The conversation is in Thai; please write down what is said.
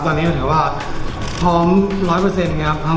ตอนนี้ก็ถือว่าพร้อม๑๐๐ครับ